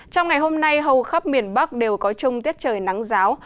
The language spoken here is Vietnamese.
trong ngày hôm nay hầu khắp miền bắc đều có chung tiết trời nắng giáo